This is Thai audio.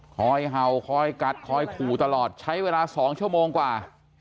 เห่าคอยกัดคอยขู่ตลอดใช้เวลา๒ชั่วโมงกว่า